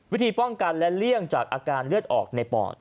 วิธีป้องกันและเลี่ยงจากอาการเลือดออกในปอด